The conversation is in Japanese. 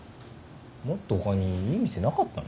もっと他にいい店なかったの？